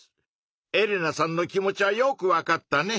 エレナさんの気持ちはよくわかったね。